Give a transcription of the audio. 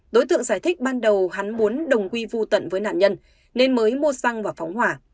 đối tượng giải thích ban đầu hắn muốn đồng quy vô tận với nạn nhân nên mới mua xăng và phóng hỏa